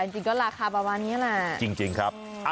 จริงก็ราคาประมาณนี้แหละอ่ะ